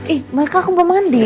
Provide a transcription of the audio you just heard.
eh mereka aku mau mandi